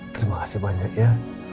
terima kasih banyak ya